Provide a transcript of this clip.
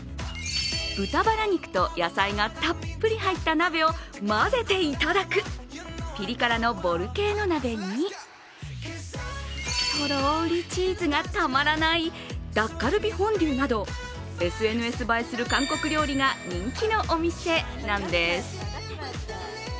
豚バラ肉と野菜がたっぷり入った鍋を混ぜていただくピリ辛のボルケーノ鍋にとろりチーズがたまらないダッカルビフォンデュなどＳＮＳ映えする韓国料理が人気のお店なんです。